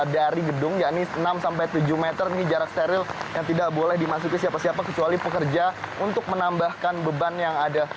dari gedung yakni enam sampai tujuh meter ini jarak steril yang tidak boleh dimasuki siapa siapa kecuali pekerja untuk menambahkan beban yang ada